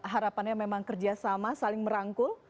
harapannya memang kerjasama saling merangkul